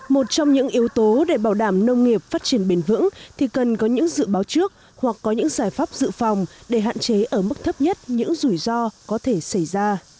một trong những yếu tố để bảo đảm nông nghiệp phát triển bền vững thì cần có những dự báo trước hoặc có những giải pháp dự phòng để hạn chế ở mức thấp nhất những rủi ro có thể xảy ra